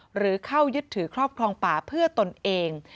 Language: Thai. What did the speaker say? หรือเข้ายึดถือครอบครองป่าเพื่อตนเอง